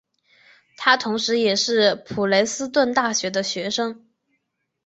他同时也是普雷斯顿大学的学生。